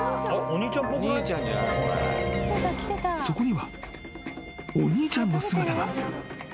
［そこにはお兄ちゃんの姿が］